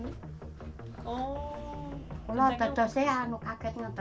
kalau ada jatuh saya kaget nanti